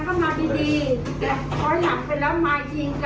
พอหยับไปแล้วมาจริงจากเป็นภีรศาสตร์